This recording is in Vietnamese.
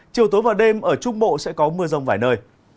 chiều tối và đêm ở trung bộ sẽ có mưa rông vài nơi